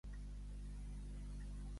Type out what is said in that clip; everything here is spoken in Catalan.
Segons ell, quina és la qüestió d'Espanya?